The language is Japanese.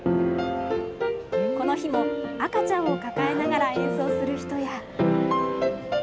この日も赤ちゃんを抱えながら演奏する人や。